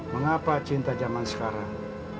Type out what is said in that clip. mengapa cinta zaman sekarang